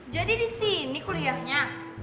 jadi disini kuliahnya